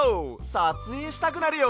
さつえいしたくなるよ！